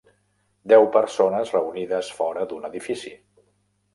Deu persones reunides fora d'un edifici.